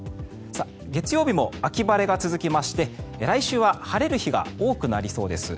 月曜日も秋晴れが続きまして来週は晴れる日が多くなりそうです。